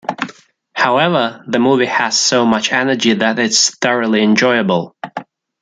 However, the movie has so much energy that it's thoroughly enjoyable.